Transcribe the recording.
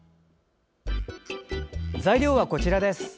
材料はこちらです。